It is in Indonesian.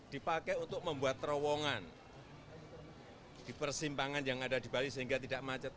dipakai untuk membuat terowongan di persimpangan yang ada di bali sehingga tidak macet